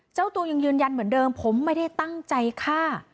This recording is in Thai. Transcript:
เจ้าตัวยังยืนยันเหมือนเดิมผมไม่ได้ตั้งใจฆ่า